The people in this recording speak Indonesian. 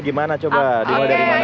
gimana coba dimulai dari mana